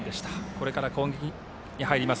これから攻撃に入ります